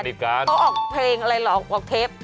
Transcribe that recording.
สนิทกันก็ออกเพลงอะไรเหรอออกเทป